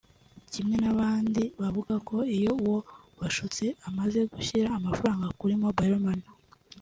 Kimwe n’abandi bavuga ko iyo uwo bashutse amaze gushyira amafaranga kuri Mobile Money